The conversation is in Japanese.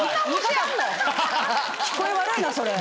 聞こえ悪いなそれ。